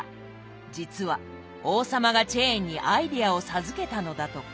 実は王様がチェーンにアイデアを授けたのだとか。